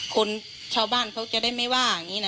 คนชาวบ้านเขาจะได้ไม่ว่าอย่างนี้นะ